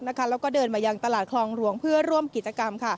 แล้วก็เดินมายังตลาดคลองหลวงเพื่อร่วมกิจกรรม